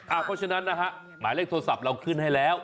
เพราะฉะนั้นนะฮะหมายเลขโทรศัพท์เราขึ้นให้แล้ว